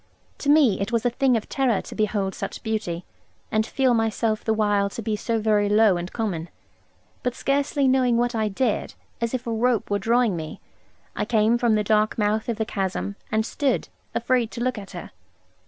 To me it was a thing of terror to behold such beauty, and feel myself the while to be so very low and common. But scarcely knowing what I did, as if a rope were drawing me, I came from the dark mouth of the chasm; and stood, afraid to look at her.